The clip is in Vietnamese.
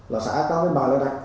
là xã cao với bà lê đạch